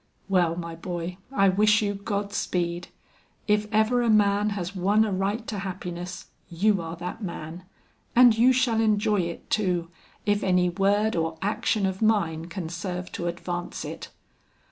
"Well, my boy, I wish you God speed. If ever a man has won a right to happiness, you are that man; and you shall enjoy it too, if any word or action of mine can serve to advance it."